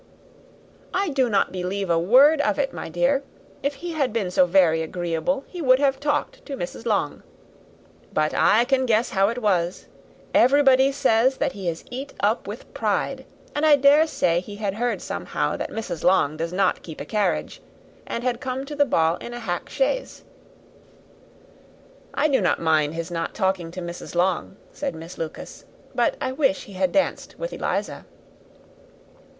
"I do not believe a word of it, my dear. If he had been so very agreeable, he would have talked to Mrs. Long. But I can guess how it was; everybody says that he is eat up with pride, and I dare say he had heard somehow that Mrs. Long does not keep a carriage, and had to come to the ball in a hack chaise." "I do not mind his not talking to Mrs. Long," said Miss Lucas, "but I wish he had danced with Eliza."